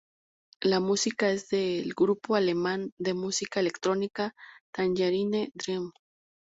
La música es del grupo alemán de música electrónica Tangerine Dream.